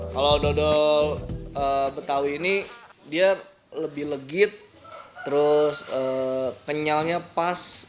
kalau dodol betawi ini dia lebih legit terus kenyalnya pas